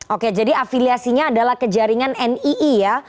oke jadi afiliasinya adalah kejaringan nii ya